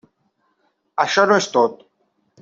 Això no és tot.